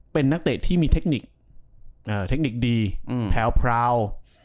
เป็นนักเตะที่มีเทคนิคดีแผลพราว